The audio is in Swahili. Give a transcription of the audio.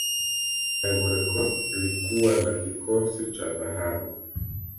ivory coast ilikuwana kikosi cha dhahabu